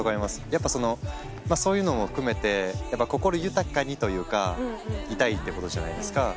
やっぱそういうのも含めて心豊かにというかいたいってことじゃないですか。